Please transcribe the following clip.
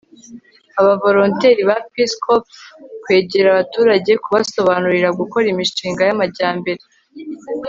abavolonteri ba peace corps kwegera abaturage kubasobanurira gukora imishinga y'amajyambere